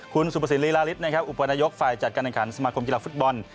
คุณสุภสินลีลาริสนะครับอุปนายกฝ่ายจัดการแข่งขันสมาคมกีฬาฟุตบอล